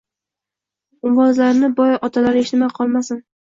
Ovozlarini boy otalari eshitmay qolmasin